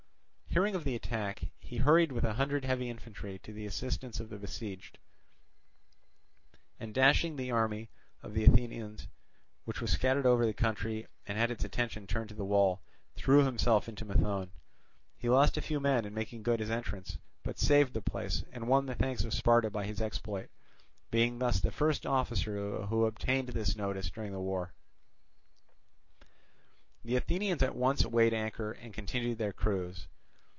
Hearing of the attack, he hurried with a hundred heavy infantry to the assistance of the besieged, and dashing through the army of the Athenians, which was scattered over the country and had its attention turned to the wall, threw himself into Methone. He lost a few men in making good his entrance, but saved the place and won the thanks of Sparta by his exploit, being thus the first officer who obtained this notice during the war. The Athenians at once weighed anchor and continued their cruise.